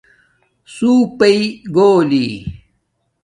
ثݸاپئ گھولی